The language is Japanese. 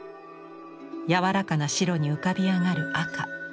柔らかな白に浮かび上がる赤。